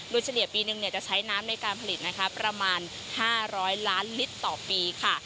โดยเฉลี่ยปีหนึ่งจะใช้น้ำในการผลิตนะคะประมาณ๕๐๐ล้านลิตรต่อปีค่ะ